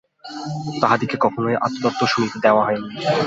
তাহাদিগকে কখনও আত্মতত্ত্ব শুনিতে দেওয়া হয় নাই।